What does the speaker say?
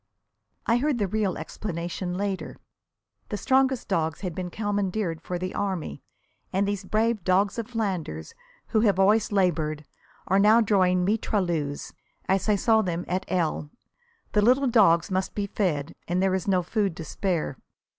I heard the real explanation later. The strongest dogs had been commandeered for the army, and these brave dogs of Flanders, who have always laboured, are now drawing mitrailleuses, as I saw them at L . The little dogs must be fed, and there is no food to spare.